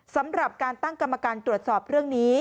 สำหรับการตั้งกรรมการตรวจสอบเรื่องนี้